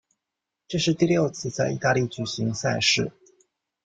这是第六次在意大利举行赛事。